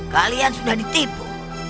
kalian sudah ditipu